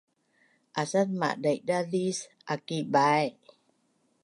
asat madaidazis aki bai